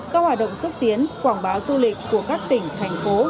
các hoạt động xúc tiến quảng bá du lịch của các tỉnh thành phố